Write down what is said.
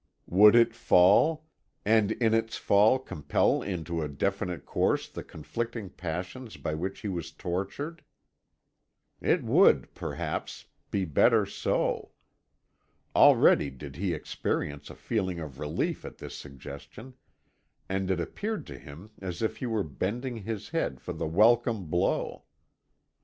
Would it fall, and in its fall compel into a definite course the conflicting passions by which he was tortured? It would, perhaps, be better so. Already did he experience a feeling of relief at this suggestion, and it appeared to him as if he were bending his head for the welcome blow.